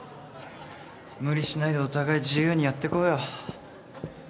無理しないでお互い自由にやってこうよ。